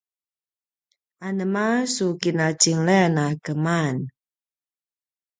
anema su kinatjenglay a keman?